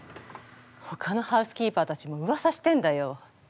ほかのハウスキーパーたちもうわさしてんだよ。